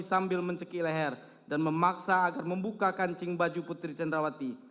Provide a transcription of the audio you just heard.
sambil mencekik leher dan memaksa agar membuka kancing baju putri cendrawati